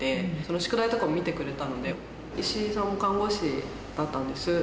宿題とかも見てくれたんで、石井さんも看護師だったんです。